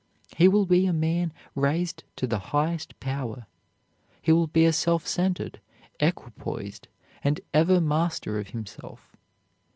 He will be a man raised to the highest power. He will be a self centered, equipoised, and ever master of himself.